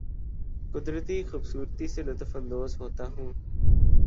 قدرتی خوبصورتی سے لطف اندوز ہوتا ہوں